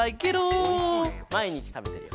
まいにちたべてるよ。